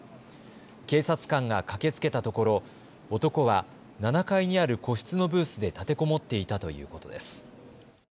警察官が駆けつけたところ男は７階にある個室のブースで立てこもっていたということです。